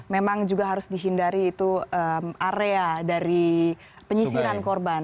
memang juga harus dihindari itu area dari penyisiran korban